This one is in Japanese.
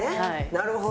なるほど。